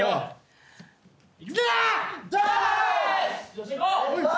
・よしいこう！